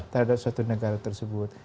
terhadap suatu negara tersebut